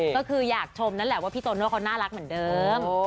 ก็คืออยากชมนั่นแหละว่าพี่โตโน่เขาน่ารักเหมือนเดิม